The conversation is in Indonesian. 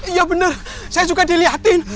iya bener saya suka dilihatin